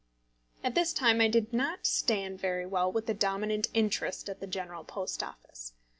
] At this time I did not stand very well with the dominant interest at the General Post Office.